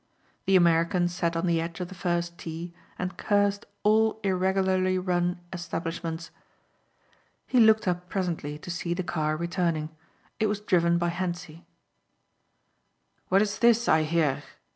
The American sat on the edge of the first tee and cursed all irregularly run establishments. He looked up presently to see the car returning. It was driven by Hentzi. "What is this I hear?"